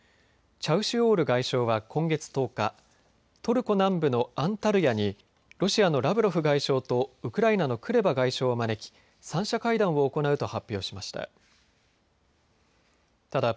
チャウシュオール外相は今月１０日、トルコ南部のアンタルヤにロシアのラブロフ外相とウクライナのクレバ外相を招き、３者会談を行うと発表しました。